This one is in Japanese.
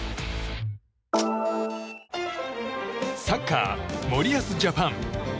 サッカー森保ジャパン。